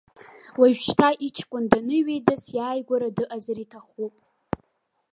Уажәшьҭа, иҷкәын даныҩеидас, иааигәара дыҟазар иҭахуп.